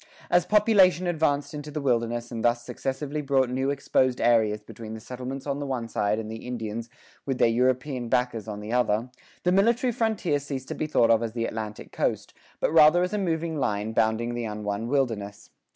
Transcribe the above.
As population advanced into the wilderness and thus successively brought new exposed areas between the settlements on the one side and the Indians with their European backers on the other, the military frontier ceased to be thought of as the Atlantic coast, but rather as a moving line bounding the un won wilderness.